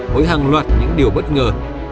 mỗi hàng loạt những điều bất ngờ